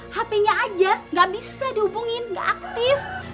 hp nya aja gak bisa dihubungin nggak aktif